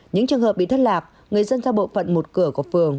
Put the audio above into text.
những trường hợp bị thất lạc người dân theo bộ phận một cửa của phường